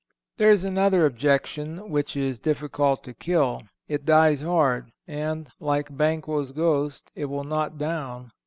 There is another objection which it is difficult to kill. It dies hard and, like Banquo's ghost, it will not down.